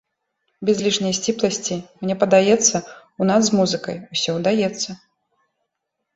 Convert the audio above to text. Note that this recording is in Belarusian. Без лішняй сціпласці, мне падаецца, у нас з музыкай усё ўдаецца.